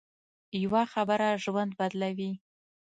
یوه خبره ژوند بدلوي